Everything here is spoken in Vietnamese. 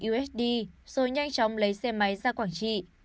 us rồi nhanh chóng lấy xe máy ra quảng trị